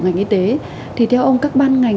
ngành y tế thì theo ông các ban ngành